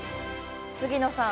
杉野さん